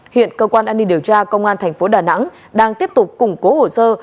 hiện cơ quan an ninh điều tra công an tp đà nẵng đang tiếp tục củng cố hồ sơ